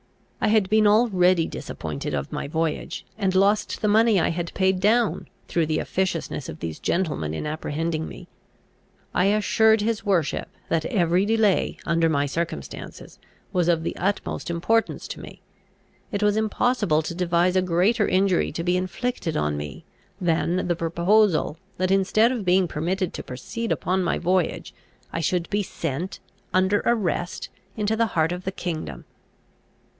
I had been already disappointed of my voyage, and lost the money I had paid, down, through the officiousness of these gentlemen in apprehending me. I assured his worship, that every delay, under my circumstances, was of the utmost importance to me. It was impossible to devise a greater injury to be inflicted on me, than the proposal that, instead of being permitted to proceed upon my voyage, I should be sent, under arrest, into the heart of the kingdom.